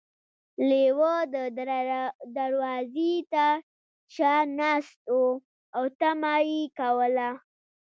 لیوه د دروازې تر شا ناست و او تمه یې کوله.